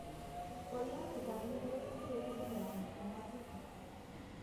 Podía manejar números complejos y operaciones con matrices.